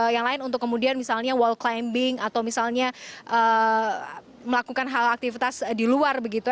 yang lain untuk kemudian misalnya wall climbing atau misalnya melakukan hal aktivitas di luar begitu